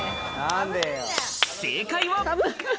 正解は。